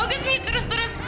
tunggu segini terus terus